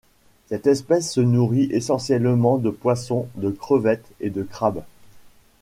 Cette espèce se nourrit essentiellement de poissons, de crevettes et de crabes.